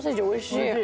おいしい。